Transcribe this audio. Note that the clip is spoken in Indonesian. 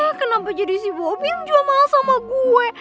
yeay kenapa jadi si bobi yang jual mahal sama gue